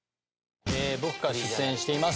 僕が出演しています